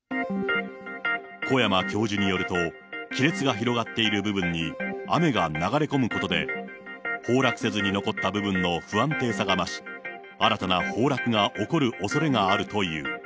小山教授によると、亀裂が広がっている部分に雨が流れ込むことで、崩落せずに残った部分の不安定さが増し、新たな崩落が起こるおそれがあるという。